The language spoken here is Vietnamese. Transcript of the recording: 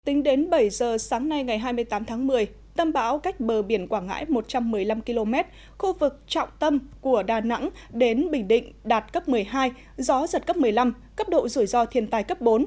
tính đến bảy giờ sáng nay ngày hai mươi tám tháng một mươi tâm bão cách bờ biển quảng ngãi một trăm một mươi năm km khu vực trọng tâm của đà nẵng đến bình định đạt cấp một mươi hai gió giật cấp một mươi năm cấp độ rủi ro thiên tài cấp bốn